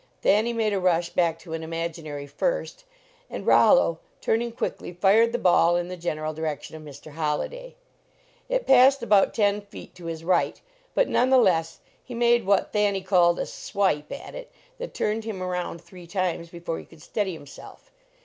Thanny made a rush back to an imaginary "first," and Rollo, turning quickly, fired the ball in the general direction of Mr. Holliday. It passed about ten feet to his right, but none the less he made what Thanny called a swipe at 66 LEARNING TO PLAY it that turned him around three times before he could steady himself.